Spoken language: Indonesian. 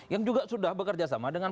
yang juga sudah bekerja sama dengan